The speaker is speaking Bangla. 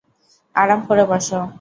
আরাম করে বস।